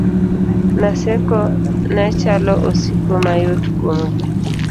Naseko nechalo osiko mayot kuomgi